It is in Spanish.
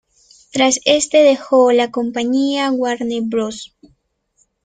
Tras este, dejó la compañía Warner Bros.